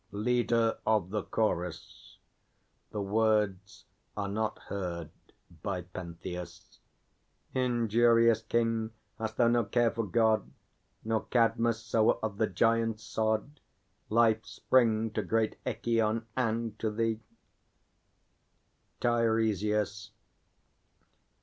LEADER OF THE CHORUS (the words are not heard by PENTHEUS). Injurious King, hast thou no care for God, Nor Cadmus, sower of the Giants' Sod, Life spring to great Echîon and to thee? TEIRESIAS.